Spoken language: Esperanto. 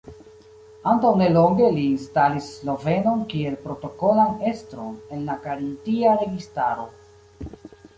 Antaŭ nelonge li instalis slovenon kiel protokolan estron en la karintia registaro.